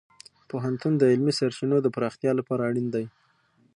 پوهنتون د علمي سرچینو د پراختیا لپاره اړین دی.